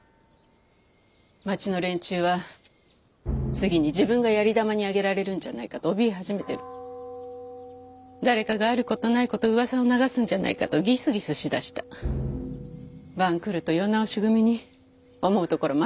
町の連中は次に自分が槍玉に挙げられるんじゃないかとおびえ始めてる誰かがあることないこと噂を流すんじゃないかとギスギスしだした晩来と世直し組に思うところもあるんじゃないのかね